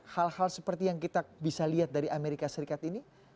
hal hal seperti yang kita bisa lihat dari amerika serikat ini